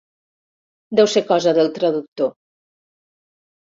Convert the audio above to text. Deu ser cosa del traductor.